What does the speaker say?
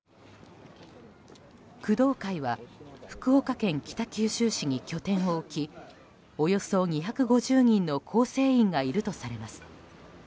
工藤会は福岡県北九州市に拠点を置きおよそ２５０人の構成員がいるとされます。